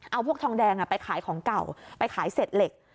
เอาพวกทองแดงไปขายของเก่าไปขายเศษเหล็ก